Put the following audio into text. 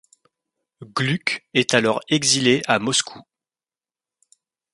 Glück est alors exilé à Moscou.